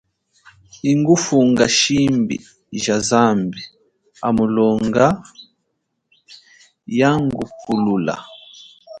Ingufunga shimbi ja zambi, hamulonga, yangupulula.